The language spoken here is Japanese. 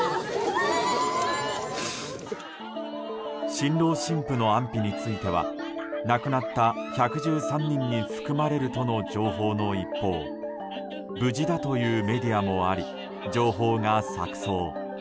新郎・新婦の安否については亡くなった１１３人に含まれるとの情報の一方無事だというメディアもあり情報が錯綜。